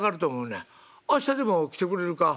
明日でも来てくれるか」。